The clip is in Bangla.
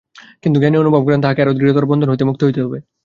কিন্তু জ্ঞানী অনুভব করেন, তাঁহাকে আরও দৃঢ়তর বন্ধন হইতে মুক্ত হইতে হইবে।